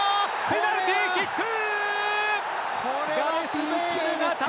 ペナルティーキック！